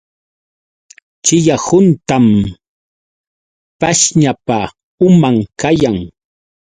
Chiya huntam pashñapa uman kayan.